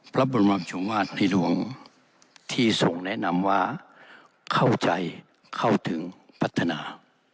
พระบรมชุมวาสพิดวงที่ทรงแนะนำว่าเข้าใจเข้าถึงพัฒนา